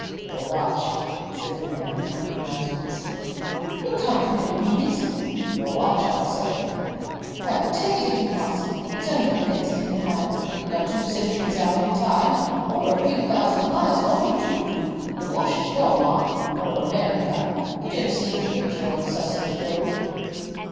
"Your watch," said the man behind the Mauser pistol. "You can't really mean it!" "Your watch, I say!" "Well, take it, if you must. It's only plated, anyhow. You're two centuries out in time, or a few thousand miles longitude. The bush is your mark or America. You don't seem in the picture on a Sussex road."